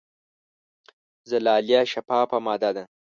زلالیه شفافه ماده ده.